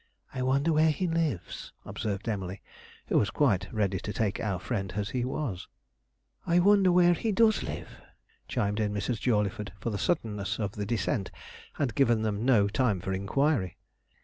'I wonder where he lives?' observed Emily, who was quite ready to take our friend as he was. 'I wonder where he does live?' chimed in Mrs. Jawleyford, for the suddenness of the descent had given them no time for inquiry.